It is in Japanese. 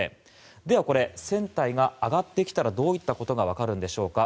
では、船体が上がってきたらどういったことが分かるでしょうか。